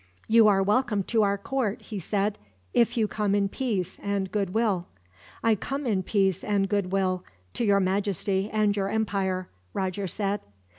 "You are welcome to our court," he said, "if you come in peace and goodwill." "I come in peace and goodwill to your Majesty and your empire," Roger said.